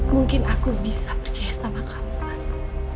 mungkin aku bisa percaya sama kamu mas